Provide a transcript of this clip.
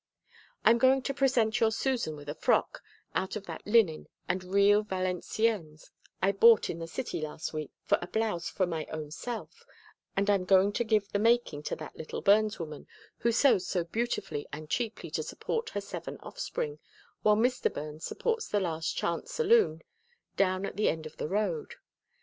I'm going to present your Susan with a frock out of that linen and real Valenciennes I bought in the city last week for a blouse for my own self, and I'm going to give the making to that little Burns woman, who sews so beautifully and cheaply to support her seven offspring, while Mr. Burns supports 'The Last Chance' saloon down at the end of the road.